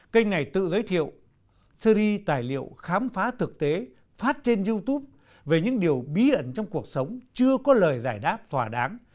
kênh này tự giới thiệu series tài liệu khám phá thực tế phát trên youtube về những điều bí ẩn trong cuộc sống chưa có lời giải đáp thỏa đáng